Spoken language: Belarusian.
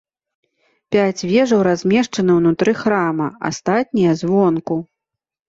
Пяць вежаў размешчаны ўнутры храма, астатнія звонку.